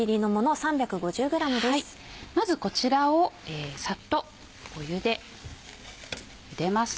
まずこちらをサッと湯でゆでます。